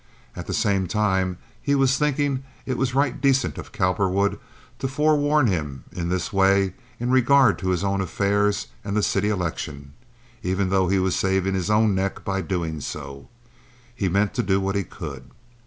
At the same time he was thinking it was right decent of Cowperwood to forewarn him this way in regard to his own affairs and the city election, even though he was saving his own neck by so doing. He meant to do what he could.